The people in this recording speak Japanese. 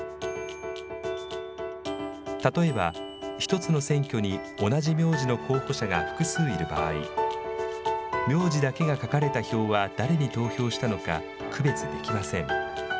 例えば一つの選挙に同じ名字の候補者が複数いる場合、名字だけが書かれた票は誰に投票したのか、区別できません。